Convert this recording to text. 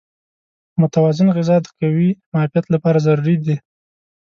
متوازن غذا د قوي معافیت لپاره ضروري ده.